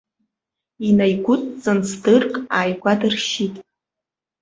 Инаигәыдҵан сдырк ааигәа дыршьит.